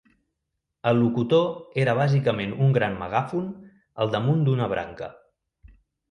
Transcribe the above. El locutor era bàsicament un gran megàfon al damunt d'una branca.